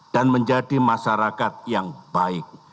dan menjadi masyarakat yang baik